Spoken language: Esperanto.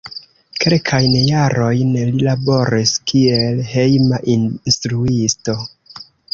Kelkajn jarojn li laboris kiel hejma instruisto.